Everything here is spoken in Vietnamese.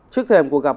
trước thèm cuộc gặp